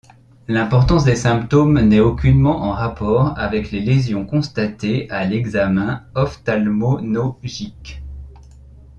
L'importance des symptômes n'est aucunement en rapport avec les lésions constatées à l'examen ophtalmonogique.